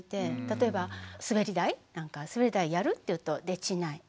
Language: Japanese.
例えばすべり台なんか「すべり台やる？」って言うと「できない」。